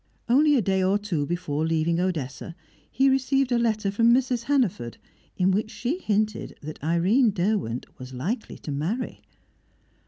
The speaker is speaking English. Only a day or two before leaving Odessa he received a letter from Mrs. Hannaford, in which she hinted that Irene Derwent was likely to marry.